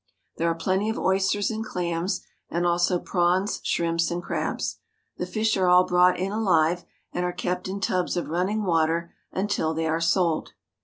There are plenty of oysters and clams, and also prawns, shrimps, and crabs. The fish are all brought in alive, and are kept in tubs of running water until they are sold.